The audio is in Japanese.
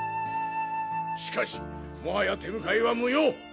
しかしもはや手向かいは無用。